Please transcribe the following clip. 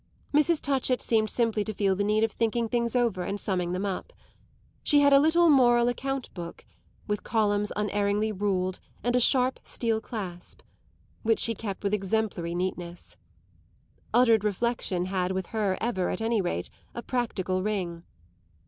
Mrs. Touchett seemed simply to feel the need of thinking things over and summing them up; she had a little moral account book with columns unerringly ruled and a sharp steel clasp which she kept with exemplary neatness. Uttered reflection had with her ever, at any rate, a practical ring.